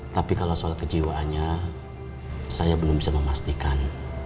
tapi kalau soal kejiwaannya saya belum bisa memastikan